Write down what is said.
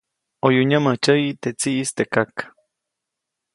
ʼOyu nyämäjtsyäyi teʼ tsiʼis teʼ kak.